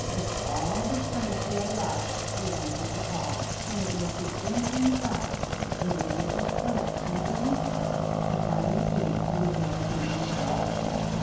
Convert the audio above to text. With all the strength he had left he answered the call, and it was his answering cry that enabled Phillips and the relief party to find the cave and begin digging through the snow.